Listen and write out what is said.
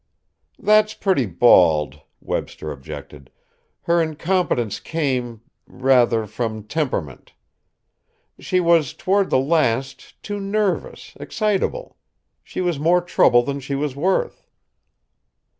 "That's pretty bald," Webster objected. "Her incompetence came, rather, from temperament. She was, toward the last, too nervous, excitable. She was more trouble than she was worth."